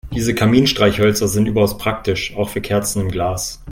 Diese Kaminstreichhölzer sind überaus praktisch, auch für Kerzen im Glas.